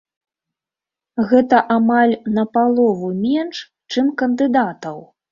Гэта амаль на палову менш, чым кандыдатаў.